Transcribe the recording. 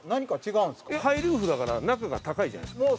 いやハイルーフだから中が高いじゃないですか。